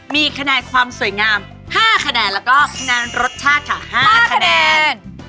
มีขนาดความสวยงาม๕ขนาดแล้วก็ขนาดรสชาติครับ๕ขนาด